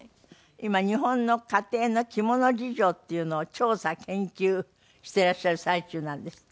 今日本の家庭の着物事情っていうのを調査研究していらっしゃる最中なんですって？